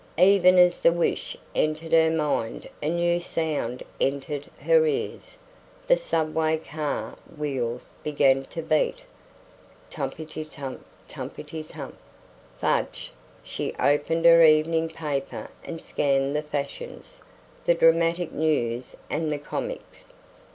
Even as the wish entered her mind a new sound entered her ears. The Subway car wheels began to beat tumpitum tump! tumpitum tump! Fudge! She opened her evening paper and scanned the fashions, the dramatic news, and the comics.